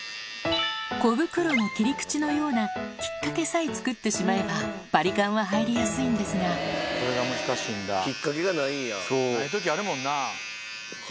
小袋の切り口のようなきっかけさえつくってしまえばバリカンは入りやすいんですがきっかけがないんや。